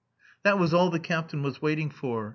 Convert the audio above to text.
That was all the captain was waiting for.